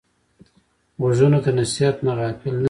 غوږونه د نصیحت نه غافل نه دي